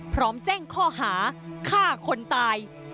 พร้อมแจ้งข้อหาฆ่าคนตาย